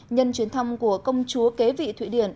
nhân chuyến thăm của công chúa kế vị thụy điển